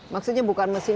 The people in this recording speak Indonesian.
maksudnya bukan mesin